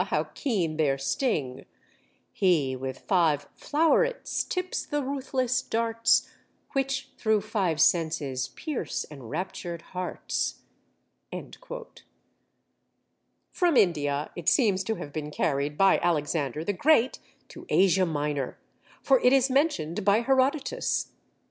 how keen their sting, He with five flowerets tips the ruthless darts Which through five senses pierce enraptured hearts." From India it seems to have been carried by Alexander the Great to Asia Minor, for it is mentioned by Herodotus.